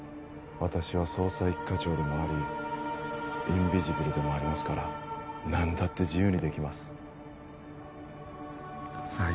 私は捜査一課長でもありインビジブルでもありますから何だって自由にできますさあ